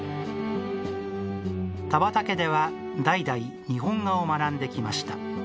田畑家では、代々、日本画を学んできました。